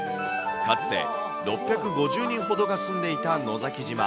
かつて６５０人ほどが住んでいた野崎島。